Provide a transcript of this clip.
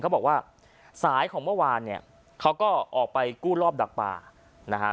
บอกว่าสายของเมื่อวานเนี่ยเขาก็ออกไปกู้รอบดักปลานะฮะ